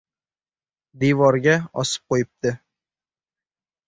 Devorga osib qo‘yibdi.